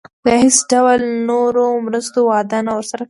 د هیڅ ډول نورو مرستو وعده نه ورسره کېږي.